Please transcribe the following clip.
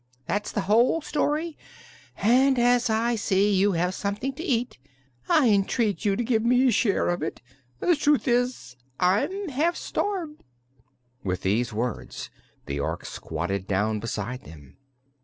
That's the whole story, and as I see you have something to eat I entreat you to give me a share of it. The truth is, I'm half starved." With these words the Ork squatted down beside them.